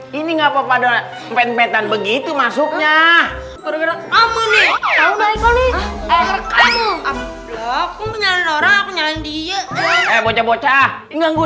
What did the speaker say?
hai ini enggak papa donat mp tiga d begitu masuknya